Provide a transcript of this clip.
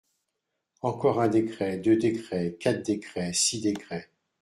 Encore un décret, deux décrets, quatre décrets, six décrets…